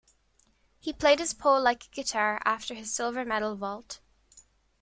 He played his pole like a guitar after his silver medal vault.